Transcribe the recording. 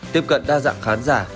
tiếp cận đa dạng khán giả